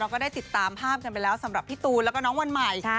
ก็ได้ติดตามภาพกันไปแล้วสำหรับพี่ตูนแล้วก็น้องวันใหม่